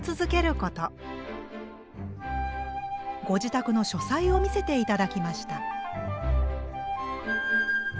ご自宅の書斎を見せて頂きました。